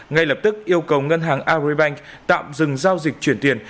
ngay lập tức yêu cầu ngân hàng agribank tạm dừng giao dịch chuyển tiền